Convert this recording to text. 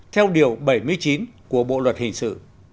theo điều bảy mươi chín của bộ luật hình sự